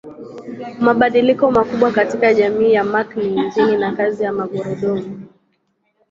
Mabadiliko makubwa katika jamii ya Mark ni injini na kazi ya magurudumu.